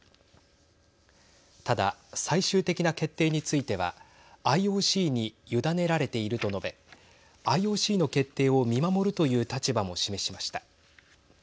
ただ、最終的な決定についてはＩＯＣに委ねられていると述べＩＯＣの決定を見守るという立場も示しました。